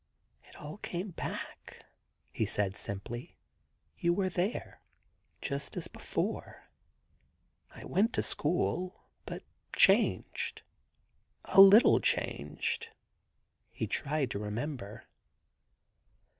' It all came back/ he answered simply. *You were there — just as before I went to school — but changed — a little changed.' He tried to remember.